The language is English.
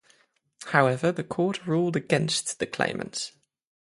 However, the court ruled against the claimants.